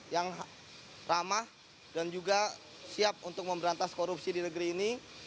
yang ramah dan juga siap untuk memberantas korupsi di negeri ini